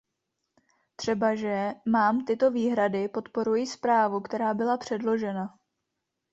Třebaže mám tyto výhrady, podporuji zprávu, která byla předložena.